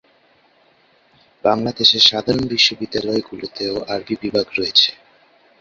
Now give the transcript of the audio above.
বাংলাদেশের সাধারণ বিশ্ববিদ্যালয়গুলিতেও আরবি বিভাগ রয়েছে।